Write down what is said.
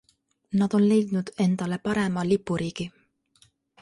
Nad on leidnud endale parema lipuriigi.